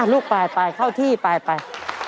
ลูกไปไปเข้าที่ไป